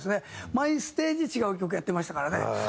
毎ステージ違う曲やってましたからね。